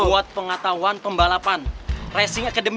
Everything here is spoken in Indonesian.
buat pengetahuan pembalapan racing academy